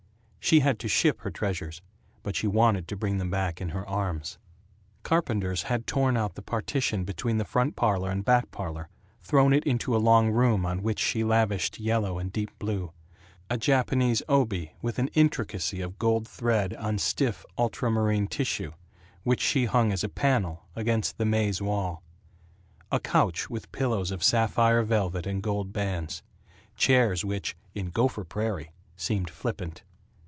She had to ship her treasures, but she wanted to bring them back in her arms. Carpenters had torn out the partition between front parlor and back parlor, thrown it into a long room on which she lavished yellow and deep blue; a Japanese obi with an intricacy of gold thread on stiff ultramarine tissue, which she hung as a panel against the maize wall; a couch with pillows of sapphire velvet and gold bands; chairs which, in Gopher Prairie, seemed flippant.